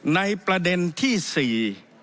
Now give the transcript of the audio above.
ในประเด็นที่สี่